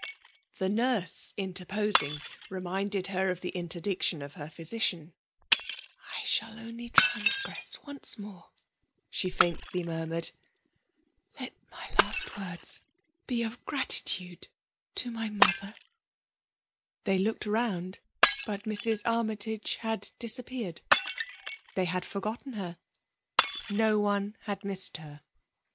The nurse interposing, reminded her of the interdiction of her physician. " I shall only transgress once more," she faintly murmured ; FRM A IE • DOM IKATIOH* 120 f* let my iMt words be words of gratiti^e tp my mother." They looked round, but Mrs. Armytage had disappeared. They had for^ gotten her. No one had missed her.